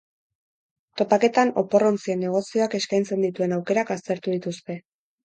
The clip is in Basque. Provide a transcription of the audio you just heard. Topaketan opor-ontzien negozioak eskaintzen dituen aukerak aztertu dituzte.